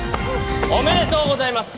おめでとうございます！